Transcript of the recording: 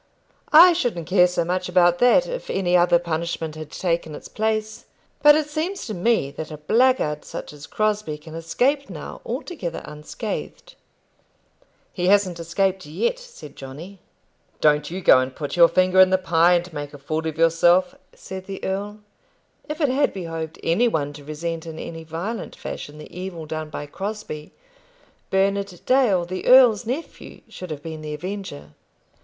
I shouldn't care so much about that, if any other punishment had taken its place. But it seems to me that a blackguard such as Crosbie can escape now altogether unscathed." "He hasn't escaped yet," said Johnny. "Don't you go and put your finger in the pie and make a fool of yourself," said the earl. If it had behoved any one to resent in any violent fashion the evil done by Crosbie, Bernard Dale, the earl's nephew, should have been the avenger.